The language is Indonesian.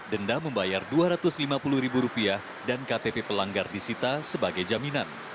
denda membayar dua ratus lima puluh ribu rupiah dan ktp pelanggar disita sebagai jaminan